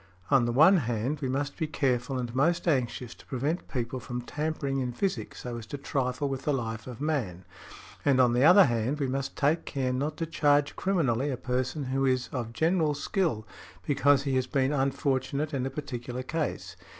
On the one hand, we must be careful and most anxious to prevent people from tampering in physic so as to trifle with the life of man; and on the other hand, we must take care not to charge criminally a person who is of general skill because he has been unfortunate in a particular case.